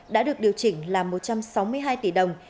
đã được điều chỉnh là một trăm sáu mươi hai tỷ đồng